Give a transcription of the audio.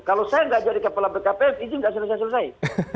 kalau saya nggak jadi kepala bkpm izin nggak selesai selesai